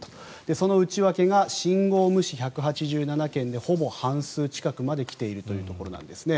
その内訳が信号無視が１８７件でほぼ半数近くまで来ているということなんですね。